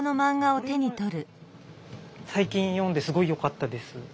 これも最近読んですごいよかったです。